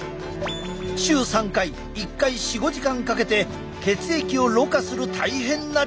週３回１回４５時間かけて血液をろ過する大変な治療だ。